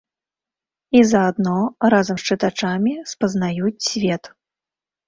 І заадно разам з чытачамі спазнаюць свет.